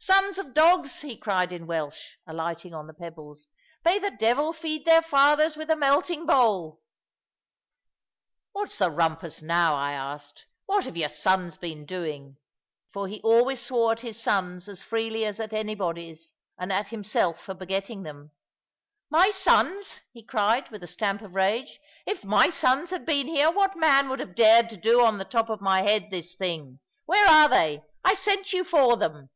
"Sons of dogs!" he cried in Welsh, alighting on the pebbles; "may the devil feed their fathers with a melting bowl!" "What's the rumpus now?" I asked; "what have your sons been doing?" For he always swore at his sons as freely as at anybody's, and at himself for begetting them. "My sons!" he cried, with a stamp of rage; "if my sons had been here, what man would have dared to do on the top of my head this thing? Where are they? I sent you for them."